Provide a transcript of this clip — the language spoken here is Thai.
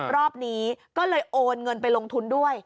รอบนี้ก็เลยโอนเงินไปลงทุนด้วย